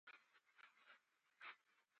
غورځه! نور دې دلته و نه وينم.